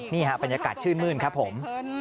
นี่ฮะบรรยากาศชื่นมื้นครับผม